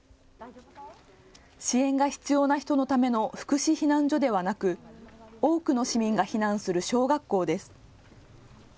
支援が必要な人のための福祉避難所ではなく多くの市民が避難する小学校です。